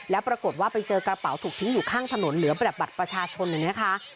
แล้วปรากฏว่าไปเจอกระเป๋าถูกทิ้งอยู่ข้างถนนเหลือแบบบัตรประชาชนเลยนะคะ